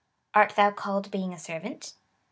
A7't thou called being a servant ?